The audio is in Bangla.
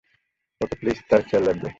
ওকে, প্লিজ তার খেয়াল রাখবে।